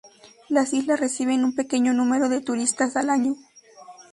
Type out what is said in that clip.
Las islas reciben un pequeño número de turistas al año.